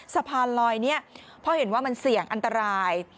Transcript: สะพานลอยนี้เพราะเห็นว่ามันเสี่ยงอันตราย